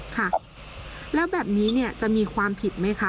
ค่ะแล้วแบบนี้เนี่ยจะมีความผิดไหมคะ